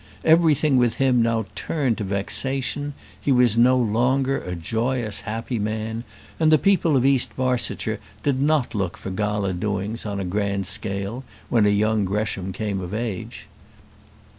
Everything with him now turned to vexation; he was no longer a joyous, happy man, and the people of East Barsetshire did not look for gala doings on a grand scale when young Gresham came of age.